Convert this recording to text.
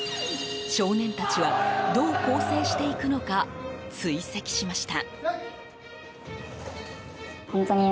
少年たちはどう更生していくのか追跡しました。